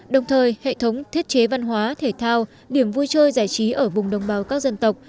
đồng thời hệ thống thiết chế văn hóa thể thao điểm vui chơi giải trí ở vùng đồng bào các dân tộc